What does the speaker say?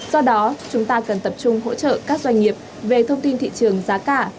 do đó chúng ta cần tập trung hỗ trợ các doanh nghiệp về thông tin thị trường giá cả